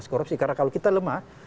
korupsi karena kalau kita lemah